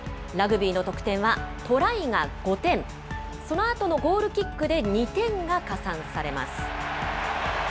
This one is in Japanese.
そもそもラグビーの得点はトライが５点、そのあとのゴールキックで２点が加算されます。